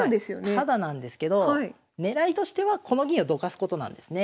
タダなんですけど狙いとしてはこの銀をどかすことなんですね。